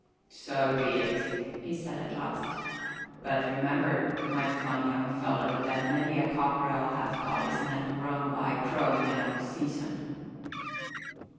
"So be it," he said at last. "But remember, my fine young fellow, that many a cockerel hath got his neck wrung by crowing out of season."